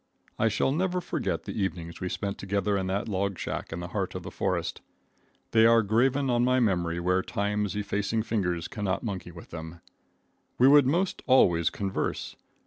I shall never forget the evenings we spent together in that log shack in the heart of the forest. They are graven on my memory where time's effacing fingers can not monkey with them. We would most always converse.